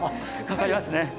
かかりますね。